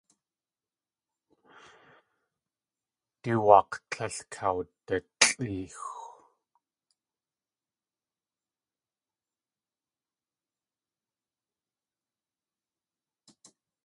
Du waak̲ tlél kawdalʼeexw.